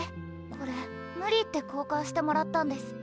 これ無理言ってこうかんしてもらったんです。